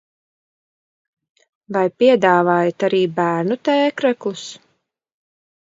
Vai piedāvājat arī bērnu t-kreklus?